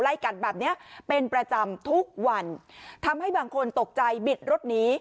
กันแบบเนี้ยเป็นประจำทุกวันทำให้บางคนตกใจบิดรถหนี